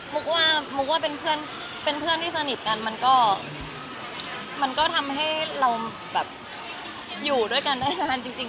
อ๋อมุกว่าเป็นเพื่อนที่สนิทกันมันก็ทำให้เราอยู่ด้วยกันได้นานจริง